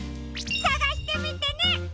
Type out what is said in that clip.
さがしてみてね！